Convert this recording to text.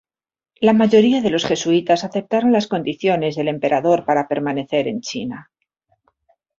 La mayoría de los jesuitas aceptaron las condiciones del emperador para permanecer en China.